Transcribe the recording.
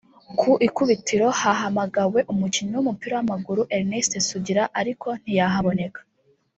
Ku ikubitiro hahamagawe umukinnyi w’umupira w’amaguru Ernest Sugira ariko ntiyaboneka